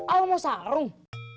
al mau sarung